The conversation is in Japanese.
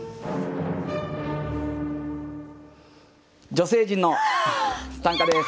女性陣の短歌です。